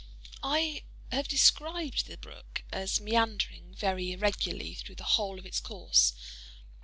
I have described the brook as meandering very irregularly through the whole of its course.